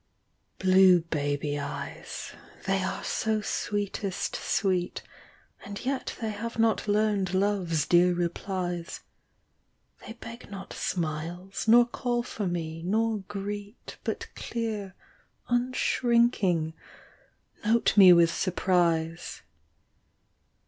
Blue baby eyes, they are so sweetest sweet, And yet they have not learned love's dear replies; They beg not smiles, nor call for me, nor greet. But clear, unshrinking, note me with surprise.